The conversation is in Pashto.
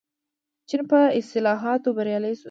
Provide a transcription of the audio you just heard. چین په اصلاحاتو بریالی شو.